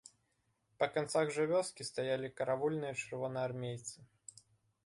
Па канцах жа вёскі стаялі каравульныя чырвонаармейцы.